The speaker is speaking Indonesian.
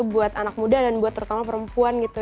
buat anak muda dan terutama buat perempuan gitu